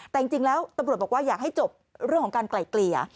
แต่จริงแล้วตำรวจบอกว่าอยากให้จบเรื่องของการไกล่เกลี่ย